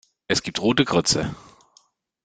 Es gibt rote Grütze.